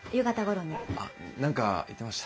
あ何か言ってました？